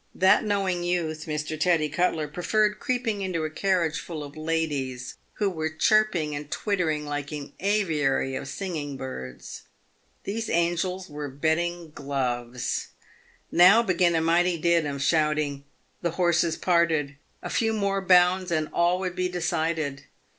That knowing youth, Mr. Teddy Cutler, preferred creeping into a carriage full of ladies, who were chirping and twitter ing like an aviary of singing birds. These angels were betting gloves. Now began a mighty din of shouting. The horses parted. A few more bounds and all would be decided.